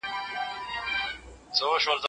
پوستکي کې باکتریاوې ژوند کوي.